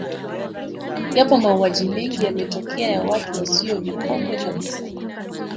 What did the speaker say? Yapo mauaji mengi yametokea ya watu wasio vikongwe kabisa